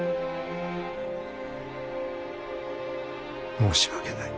申し訳ない。